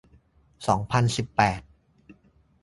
สองพันสิบแปด